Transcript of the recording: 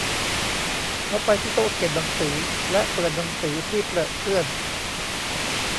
เขาไปที่โต๊ะเขียนหนังสือ และเปิดหนังสือที่เปรอะเปื้อน